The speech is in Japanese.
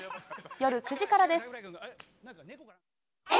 夜９時からです。